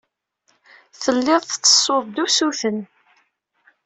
Telliḍ tettessuḍ-d usuten.